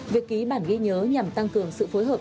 việc ký bản ghi nhớ nhằm tăng cường sự phối hợp